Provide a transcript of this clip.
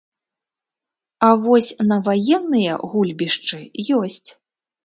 А вось на ваенныя гульбішчы ёсць.